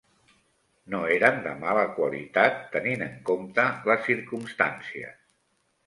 No eren de mala qualitat tenint en compte les circumstàncies.